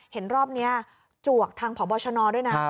เห็นรอบนี้จวกทางพบชนด้วยนะ